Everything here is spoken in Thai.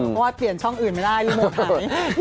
เพราะว่าเปลี่ยนช่องอื่นไม่ได้รีโมถ่าย